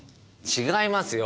違いますよ。